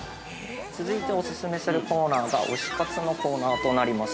続いて、お勧めするコーナーが推し活のコーナーとなります。